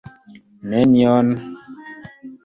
Nenion.